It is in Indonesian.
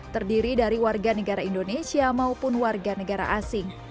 terdiri dari warga negara indonesia maupun warga negara asing